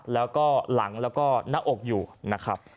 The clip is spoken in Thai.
แล้วก็หลังแล้วก็หน้าอกอยู่นะครับ